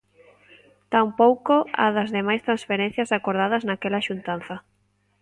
Tampouco a das demais transferencias acordadas naquela xuntanza.